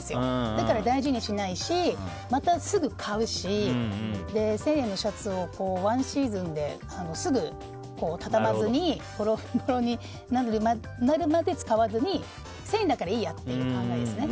だから大事にしないしまたすぐ買うし１０００円のシャツを１シーズンで畳まずにボロボロになるまで使わずに１０００円だからいいやって考えですね。